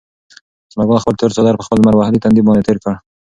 ثمر ګل خپل تور څادر په خپل لمر وهلي تندي باندې تېر کړ.